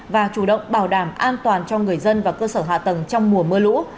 và chủ động bảo đảm an toàn cho người dân và cơ sở hạ tầng trong mùa mưa lũ